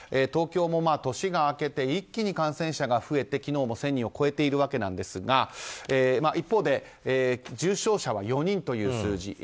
東京も年が明けて一気に感染者が増えて昨日も１０００人を超えているわけなんですが一方で、重症者は４人という数字。